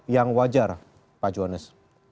yang wajar pak johannes